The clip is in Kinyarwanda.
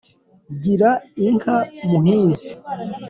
gira inka muhizi